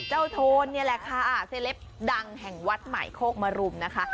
โทนนี่แหละค่ะเซลปดังแห่งวัดใหม่โคกมรุมนะคะ